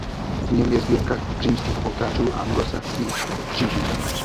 V něm je sbírka římských oltářů a anglosaských křížů.